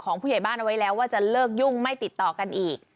ผู้ใหญ่บ้านเอาไว้แล้วว่าจะเลิกยุ่งไม่ติดต่อกันอีก